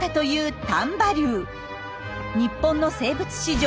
日本の生物史上